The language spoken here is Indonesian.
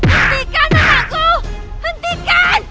hentikan anakku hentikan